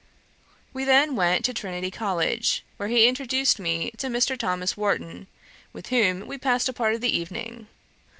We then went to Trinity College, where he introduced me to Mr. Thomas Warton, with whom we passed a part of the evening.